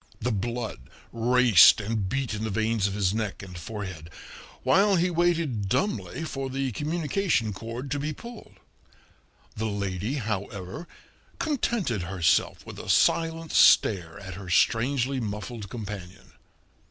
The blood raced and beat in the veins of his neck and forehead, while he waited dumbly for the communication cord to be pulled. The lady, however, contented herself with a silent stare at her strangely muffled companion.